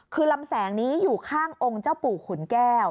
คือลำแสงนี้อยู่ข้างองค์เจ้าปู่ขุนแก้ว